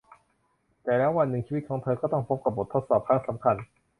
แต่แล้ววันหนึ่งชีวิตของเธอต้องพบกับบททดสอบครั้งสำคัญ